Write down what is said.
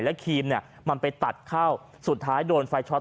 แล้วครีมเนี่ยมันไปตัดเข้าสุดท้ายโดนไฟช็อต